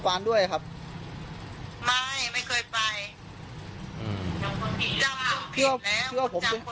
อันคือ